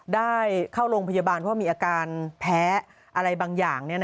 ได้เข้าโรงพยาบาลเพราะมีอาการแพ้อะไรบางอย่าง